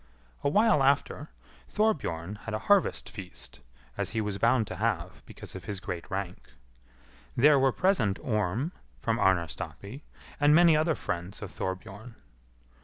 A while after, Thorbjorn had a harvest feast, as he was bound to have because of his great rank. There were present Orm, from Arnarstapi, and many other friends of Thorbjorn.